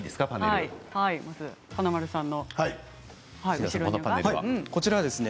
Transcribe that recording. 華丸さんの後ろですね。